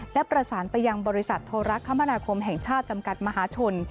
และประสานไปยังบริษัทโทรคมนาคมแห่งชาติจำกัดมหาชน